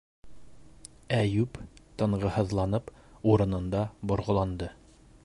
- Әйүп тынғыһыҙланып урынында борғоланды.